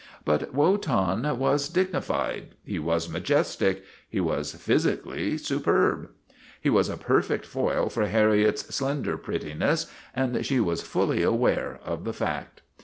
But Wotan was dignified, he was majestic, he was physically superb. He was a perfect foil for Harriet's slender prettiness and she was fully aware of the fact.